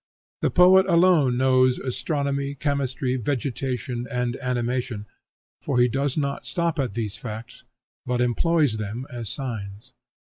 The poet alone knows astronomy, chemistry, vegetation and animation, for he does not stop at these facts, but employs them as signs.